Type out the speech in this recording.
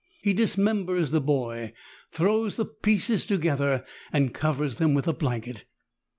He dismembers the boy, throws the pieces together and covers them with a blanket.